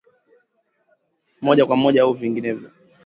moja kwa moja au vinginevyo